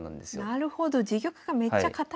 なるほど自玉がめっちゃ堅いから。